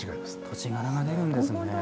土地柄が出るんですね。